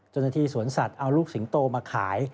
จนที่สวนสัตว์เอาลูกสิงโตมาขาย